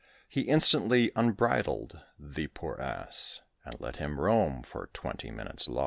He instantly unbridled the poor Ass, And let him roam for twenty minutes' law.